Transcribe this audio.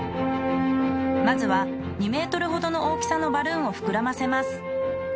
まずは２ｍほどの大きさのバルーンを膨らませます。